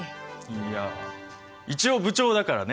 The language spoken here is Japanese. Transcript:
いや一応部長だからね。